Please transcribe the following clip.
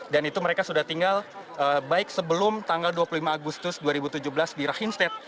dan itu mereka sudah tinggal baik sebelum tanggal dua puluh lima agustus dua ribu tujuh belas di rahimstead